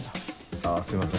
あすいません